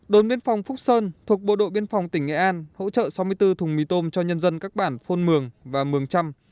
đồn biên phòng phúc sơn thuộc bộ đội biên phòng tỉnh nghệ an hỗ trợ sáu mươi bốn thùng mì tôm cho nhân dân các bản phôn mường và mường trăm